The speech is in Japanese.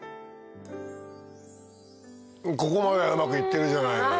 ここまではうまくいってるじゃないのよ。